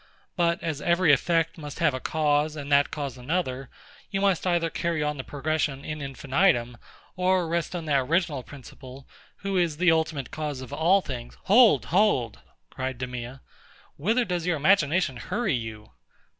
But as every effect must have a cause, and that cause another, you must either carry on the progression in infinitum, or rest on that original principle, who is the ultimate cause of all things... Hold! hold! cried DEMEA: Whither does your imagination hurry you?